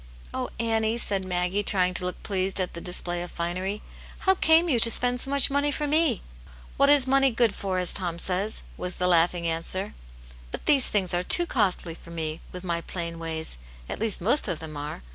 " Oh, Annie," said Maggie, trying to look pleased at the display of finery, " how came you to spend so much money for me ?"" What is money good for, as Tom says," was the laughing answer. " But there things are too costly for me, with my plain ways ; at least most of them are.